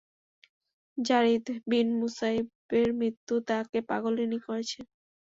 যারীদ বিন মুসাইয়্যিবের মৃত্যু তাকে পাগলিনী করেছে।